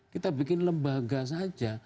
kita bikin lembaga saja